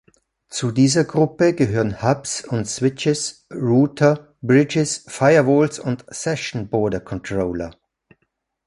Zu dieser Gruppe gehören Hubs und Switches, Router, Bridges, Firewalls und Session Border Controller.